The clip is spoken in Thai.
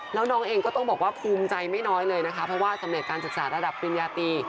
แล้วน้องเองก็ต้องบอกว่าภูมิใจไม่น้อยเลยนะคะเพราะว่าสำเร็จการศึกษาระดับปริญญาตี